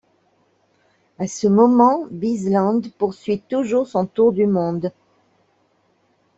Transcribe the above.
À ce moment, Bisland poursuit toujours son tour du monde.